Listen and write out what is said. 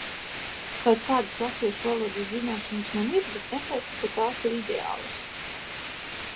Kaut kādas latviešu valodas zināšanas man ir, bet neteiktu, ka tās ir ideālas.